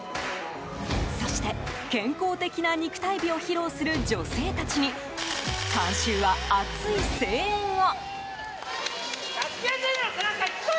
そして、健康的な肉体美を披露する女性たちに観衆は熱い声援を。